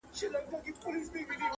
o د بدو به بد مومې!